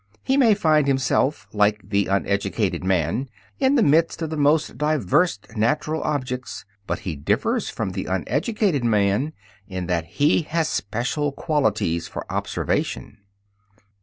He may find himself like the uneducated man in the midst of the most diverse natural objects, but he differs from the uneducated man in that he has special qualities for observation.